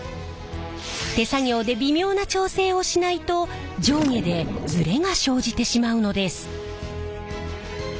手作業で微妙な調整をしないと上下でズレが生じてしまうのです。